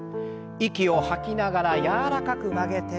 息を吐きながら柔らかく曲げて。